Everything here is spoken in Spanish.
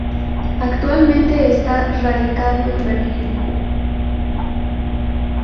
Actualmente está radicado en Berlín.